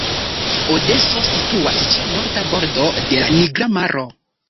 Odeso situas ĉe norda bordo de la Nigra Maro.